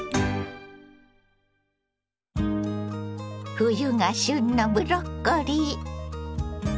冬が旬のブロッコリー。